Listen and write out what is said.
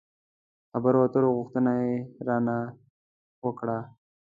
د خبرو اترو غوښتنه يې را نه وکړه.